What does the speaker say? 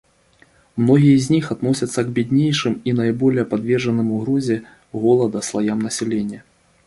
Многие из них относятся к беднейшим и наиболее подверженным угрозе голода слоям населения.